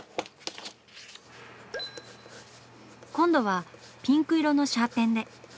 今度はピンク色のシャーペンで。